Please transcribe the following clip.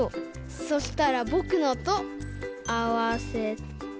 そしたらぼくのとあわせて。